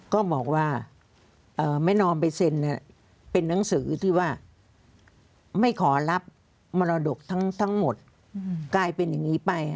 ก็บอกว่าไม่นอมไปเซ็นเป็นหนังสือที่ว่าไม่ขอรับมรดกทั้งหมดกลายเป็นอย่างนี้ไป